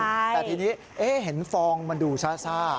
แต่ทีนี้เห็นฟองมันดูซ่า